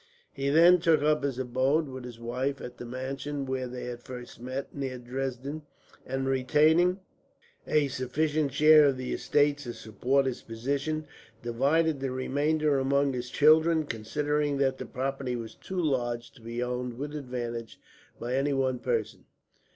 He then took up his abode, with his wife, at the mansion where they had first met, near Dresden; and retaining a sufficient share of the estates to support his position, divided the remainder among his children, considering that the property was too large to be owned with advantage by any one person.